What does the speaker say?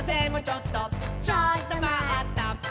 ちょっとまった！」